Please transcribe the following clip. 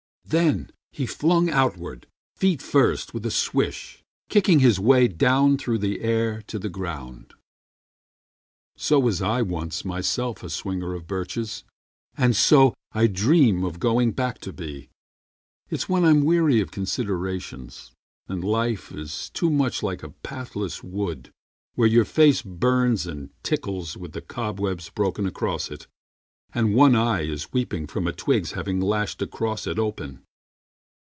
Then he flung outward, feet first, with a swish, Kicking his way down through the air to the ground. So was I once myself a swinger of birches. And so I dream of going back to be. It's when I'm weary of considerations, And life is too much like a pathless wood Where your face burns and tickles with the cobwebs Broken across it, and one eye is weeping From a twig's having lashed across it open.